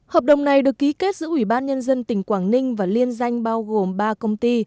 hợp đồng này được ký kết giữa ủy ban nhân dân tỉnh quảng ninh và liên danh bao gồm ba công ty